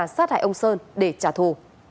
sát hại ông sơn để trả thù